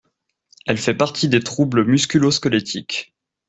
Elle fait partie des troubles musculosquelettiques.